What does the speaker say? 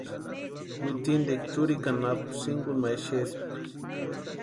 Witsintikwani churikwa anapu sinkuni ma exespka.